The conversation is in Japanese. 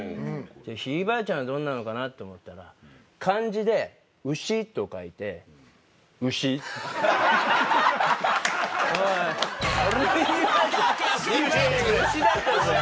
ひいばあちゃんはどんなのかなと思ったら漢字で牛と書いて「牛」おい俺のひいばあちゃん